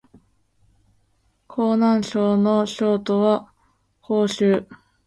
河南省の省都は鄭州